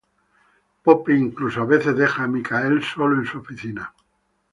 Pope incluso a veces deja a Michael sólo en su oficina.